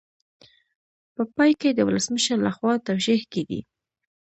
په پای کې د ولسمشر لخوا توشیح کیږي.